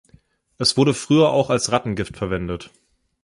Es wurde früher auch als Rattengift verwendet.